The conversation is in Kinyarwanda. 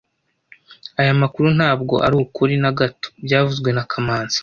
Aya makuru ntabwo arukuri na gato byavuzwe na kamanzi